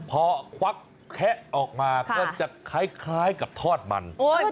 พอควักแคะออกมาก็จะคล้ายกับทอดมัน